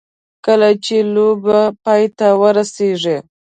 کله چې لوبه پای ته ورسېږي.